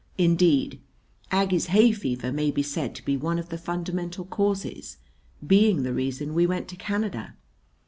Indeed, Aggie's hay fever may be said to be one of the fundamental causes, being the reason we went to Canada.